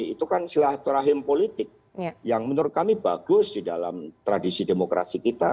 itu kan silaturahim politik yang menurut kami bagus di dalam tradisi demokrasi kita